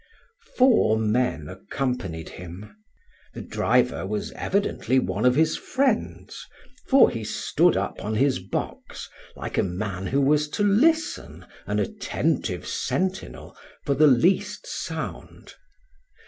Four men accompanied him. The driver was evidently one of his friends, for he stood up on his box, like a man who was to listen, an attentive sentinel, for the least sound.